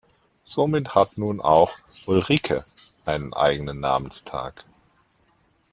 Somit hat nun auch „Ulrike“ einen eigenen Namenstag.